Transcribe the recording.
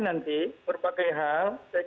nanti berbagai hal saya